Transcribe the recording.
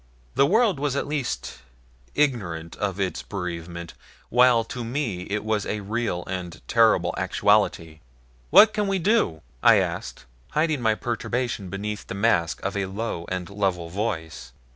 The world was at least ignorant of its bereavement, while to me it was a real and terrible actuality. "What can we do?" I asked, hiding my perturbation beneath the mask of a low and level voice.